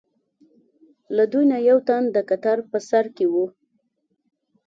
له دوی نه یو تن د کتار په سر کې و.